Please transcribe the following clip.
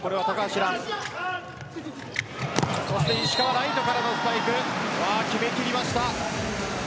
ライトからのスパイクを決め切りました。